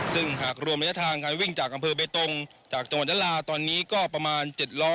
ซึ่งหากรวมระยะทางการวิ่งจากอำเภอเบตงจากจังหวัดยาลาตอนนี้ก็ประมาณ๗ล้อ